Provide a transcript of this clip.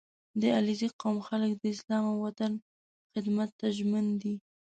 • د علیزي قوم خلک د اسلام او وطن خدمت ته ژمن دي.